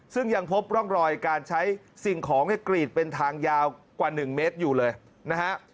ซึ่งยังพบร่องรอยการใช้สิ่งของเนี่ยกรีดเป็นทางยาวกว่า๑เมตรอยู่เลยนะฮะ